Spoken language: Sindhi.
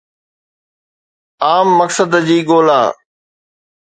عام مقصد جي ڳولا